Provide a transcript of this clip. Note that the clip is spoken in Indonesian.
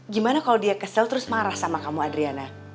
gimana kalau dia kesel terus marah sama kamu adriana